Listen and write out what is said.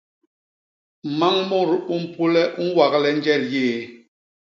Mañ mut u mpule u ñwagle njel yéé.